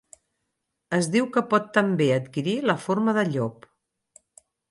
Es diu que pot també adquirir la forma de llop.